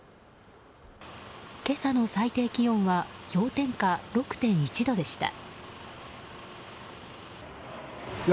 今朝の最低気温は氷点下６．１度でした。